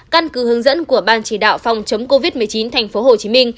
căn cứ hướng dẫn của ban chỉ đạo phòng chống covid một mươi chín tp hcm